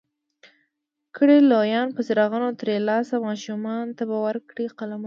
کړي لویان به څراغونه ترې ترلاسه، ماشومانو ته به ورکړي قلمونه